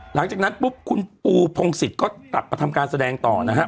หลังจากนั้นปุ๊บคุณปูพงศิษย์ก็กลับมาทำการแสดงต่อนะฮะ